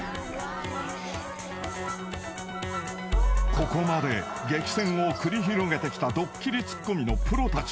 ［ここまで激戦を繰り広げてきたドッキリツッコミのプロたち］